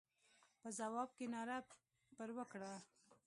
په ځواب کې ناره پر وکړه.